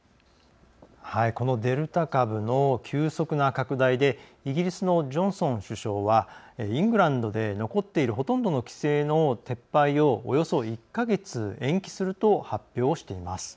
このデルタ株の急速な拡大でイギリスのジョンソン首相はイングランドで残っているほとんどの規制の撤廃をおよそ１か月延期すると発表しています。